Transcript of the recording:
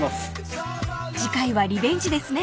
［次回はリベンジですね］